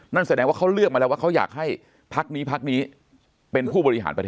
นั่นแสดงว่าเขาเลือกมาแล้วว่าเขาอยากให้พักนี้พักนี้เป็นผู้บริหารประเทศ